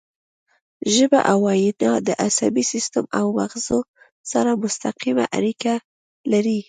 ژبه او وینا د عصبي سیستم او مغزو سره مستقیمه اړیکه لري